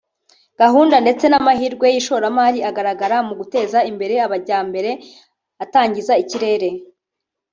gahunda ndetse n’amahirwe y’ishoramari agaragara mu guteza imbere amajyambere atangiza ikirere